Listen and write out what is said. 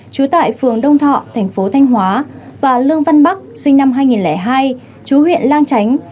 trú tại phường đông thọ thành phố thanh hóa và lương văn bắc sinh năm hai nghìn hai chú huyện lang chánh